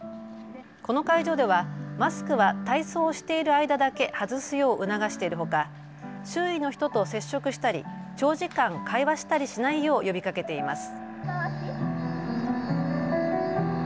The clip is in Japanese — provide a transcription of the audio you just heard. この会場ではマスクは体操をしている間だけ外すよう促しているほか、周囲の人と接触したり長時間会話したりしないよう呼びかけています。